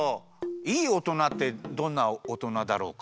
いいおとなってどんなおとなだろうか？